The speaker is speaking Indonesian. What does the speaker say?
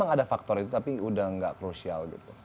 emang ada faktor itu tapi udah nggak krusial gitu